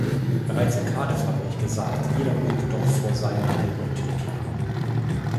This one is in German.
Bereits in Cardiff habe ich gesagt, jeder möge doch vor seiner eigenen Tür kehren.